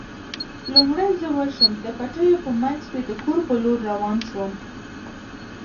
لومړی زه ورشم، د پټیو په منځ کې د کور په لور روان شوم.